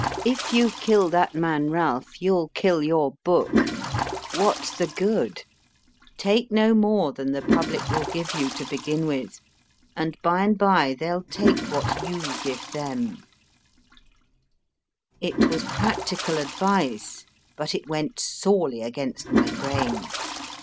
If you kill that man Ralph, you ll kill your book. What s the good ? Take no more than the public will give you to begin with, and by and by they ll take what you give them: It was prac tical advice, but it went sorely against my grain.